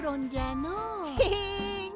へへん！